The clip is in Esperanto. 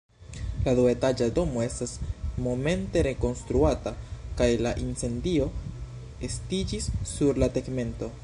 La duetaĝa domo estas momente rekonstruata, kaj la incendio estiĝis sur la tegmento.